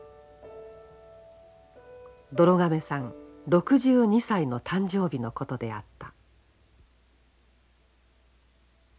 どろ亀さん６２歳の誕生日のことであった。